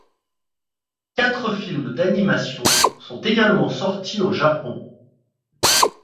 Quatre films d’animation sont également sortis au Japon.